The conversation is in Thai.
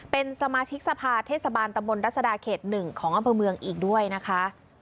เป็นสมาชิกสภาเทศบาลตำบลรัศดาเขต๑ของอำเภอเมืองอีกด้วยนะคะ